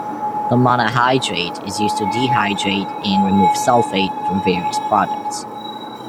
The monohydrate is used to dehydrate and remove sulfate from various products.